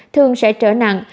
thường sẽ trở nặng